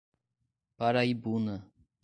Paraibuna